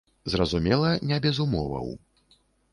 Зразумела, не без умоваў.